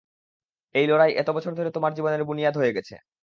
এই লড়াই এত বছর ধরে তোমার জীবনের বুনিয়াদ হয়ে গেছে।